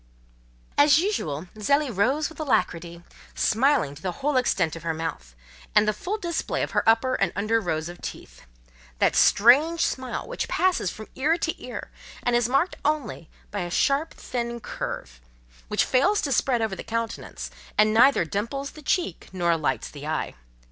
As usual, Zélie rose with alacrity, smiling to the whole extent of her mouth, and the full display of her upper and under rows of teeth—that strange smile which passes from ear to ear, and is marked only by a sharp thin curve, which fails to spread over the countenance, and neither dimples the cheek nor lights the eye.